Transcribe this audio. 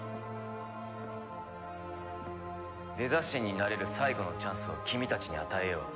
デザ神になれる最後のチャンスを君たちに与えよう。